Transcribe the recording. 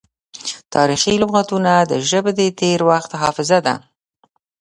تاریخي لغتونه د ژبې د تیر وخت حافظه ده.